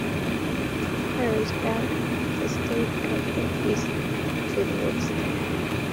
Harrisburg, the state capital, is to the west.